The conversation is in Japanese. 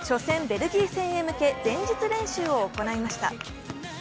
ベルギー戦へ向け、前日練習を行いました。